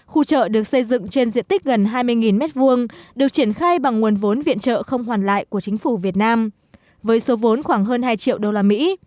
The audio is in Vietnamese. khu chợ được xây dựng trên diện tích gần hai mươi m hai được triển khai bằng nguồn vốn viện trợ không hoàn lại của chính phủ việt nam với số vốn khoảng hơn hai triệu đô la mỹ